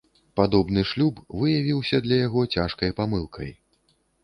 Падобны шлюб выявіўся для яго цяжкай памылкай.